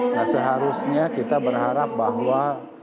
nah seharusnya kita berharap bahwa